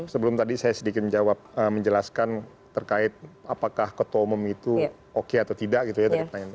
sebelum tadi saya sedikit menjawab menjelaskan terkait apakah ketua umum itu oke atau tidak gitu ya dari pertanyaan itu